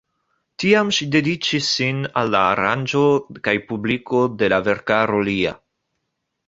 Tiam ŝi dediĉis sin al la aranĝo kaj publiko de la verkaro lia.